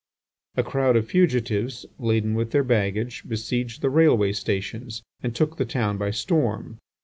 A crowd of fugitives, laden with their baggage, besieged the railway stations and took the town by storm.